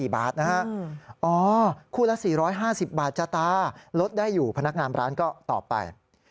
ว่ารถได้อยู่พนักงานร้านก็ตอบไป